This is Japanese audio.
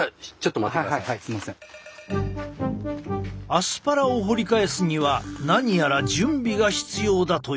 アスパラを掘り返すには何やら準備が必要だという。